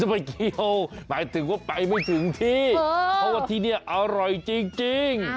ไม่เกี่ยวหมายถึงว่าไปไม่ถึงที่เพราะว่าที่นี่อร่อยจริง